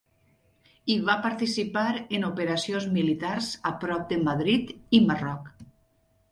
Hi va participar en operacions militars a prop de Madrid i Marroc.